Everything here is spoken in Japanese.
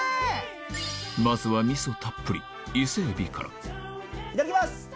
まずはみそたっぷり伊勢えびからいただきます！